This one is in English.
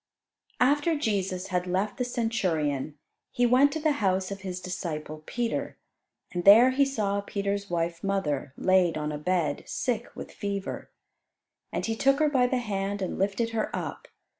After Jesus had left the Centurion He went to the house of his disciple Peter, and there He saw Peter's wife's mother, laid on a bed, sick with fever. And He took her by the hand and lifted her up.